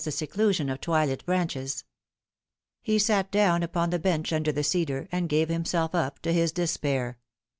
the seclusion of twilit branches. He sat down upon the bench under the cedar, and gave himself up to his despair.